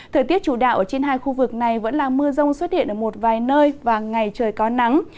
thời tiết chủ đạo ở trên hai khu vực này vẫn là mưa rông xuất hiện ở một vài nơi và ngày trời có nắng